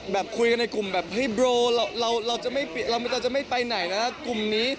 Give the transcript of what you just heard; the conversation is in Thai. คุยกันในกลุ่มแบบเฮ้ยโบรเราจะไม่ไปไหนนะกลุ่มนี้